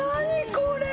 これ。